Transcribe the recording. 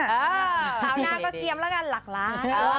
คราวหน้าก็เทียมแล้วกันหลักล้าน